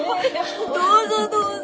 どうぞどうぞ。